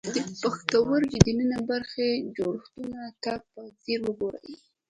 د پښتورګي دننۍ برخې جوړښتونو ته په ځیر وګورئ.